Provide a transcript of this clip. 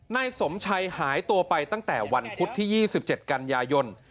นายสมชัยหายตัวไปตั้งแต่วันพุธที่๒๗กันยายน